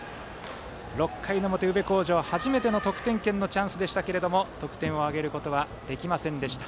６回の表、宇部鴻城、初めての得点圏のチャンスでしたが得点を挙げることはできませんでした。